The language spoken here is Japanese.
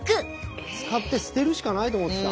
使って捨てるしかないと思ってた。